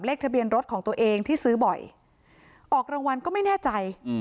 ทะเบียนรถของตัวเองที่ซื้อบ่อยออกรางวัลก็ไม่แน่ใจ